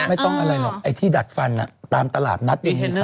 ไม่ต้องอะไรหรอกไอ้ที่ดัดฟันตามตลาดนัดจริง